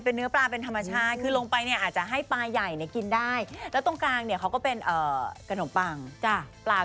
เนื้อปลาเลยพี่นี่ไงค่ะ